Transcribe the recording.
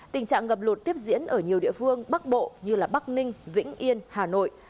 tình trạng ngập lụt tiếp diễn ở nhiều địa phương bắc bộ như bắc ninh vĩnh yên hà nội